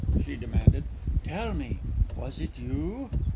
she demanded. "Tell me, was it you?"